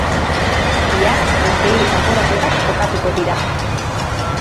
Bihar beste hiru kanporaketak jokatuko dira.